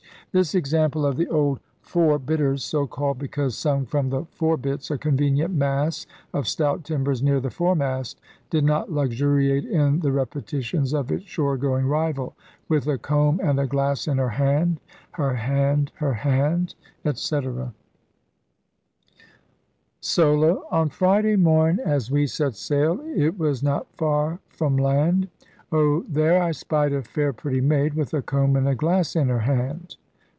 This example of the old 'fore bitters' (so called because sung from the fore bitts, a convenient mass of stout timbers near the foremast) did not luxuriate in the repeti tions of its shore going rival: With a comb and a glass in her hand, her hand, her hand, etc. 42 ELIZABETHAN SEA DOGS Solo. On Friday morn as we set sail It was not far from land, Oh, there I spied a fair pretty maid With a comb and a glass in her hand.